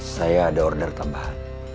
saya ada order tambahan